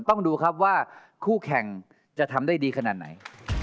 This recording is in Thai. ต้องดูครับว่าคู่แข่งจะทำได้ดีขนาดไหน